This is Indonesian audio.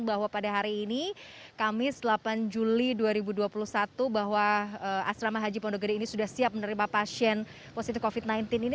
bahwa pada hari ini kamis delapan juli dua ribu dua puluh satu bahwa asrama haji pondok gede ini sudah siap menerima pasien positif covid sembilan belas ini